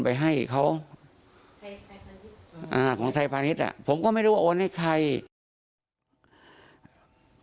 ไปให้เขาอ่าของไทยพาณิชย์อ่ะผมก็ไม่รู้ว่าโอนให้ใคร